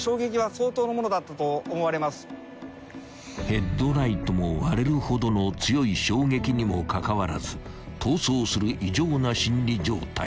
［ヘッドライトも割れるほどの強い衝撃にもかかわらず逃走する異常な心理状態］